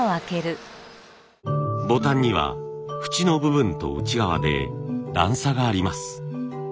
ボタンには縁の部分と内側で段差があります。